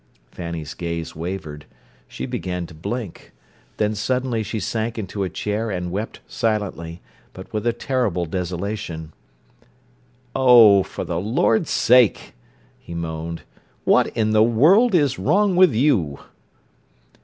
Fanny's gaze wavered; she began to blink; then suddenly she sank into a chair and wept silently, but with a terrible desolation. "Oh, for the Lord's sake!" he moaned. "What in the world is wrong with you?"